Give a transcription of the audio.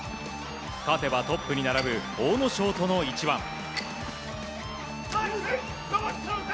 勝てばトップに並ぶ阿武咲との一番。